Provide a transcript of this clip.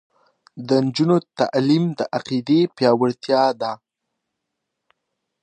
د نجونو تعلیم د عقیدې پیاوړتیا ده.